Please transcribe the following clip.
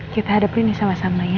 kita hadapin nih sama sama ya